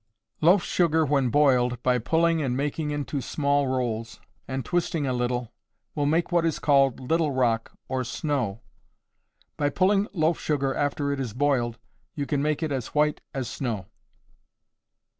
Loaf sugar when boiled, by pulling and making into small rolls, and twisting a little, will make what is called little rock, or snow. By pulling loaf sugar after it is boiled, you can make it as white as snow.